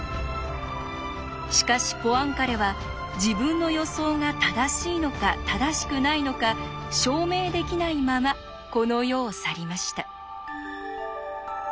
しかしポアンカレは自分の予想が正しいのか正しくないのか証明できないままこの世を去りました。